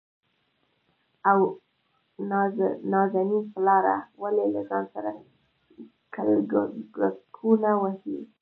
او نازنين پلاره ! ولې له ځان سره کلګکونه وهې؟